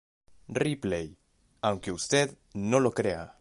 Ripley, ¡aunque usted no lo crea!